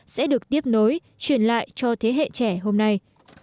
sẽ được tiếp nối truyền lại cho thế hệ trẻ hôm nay